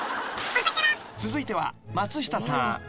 ［続いては松下さん］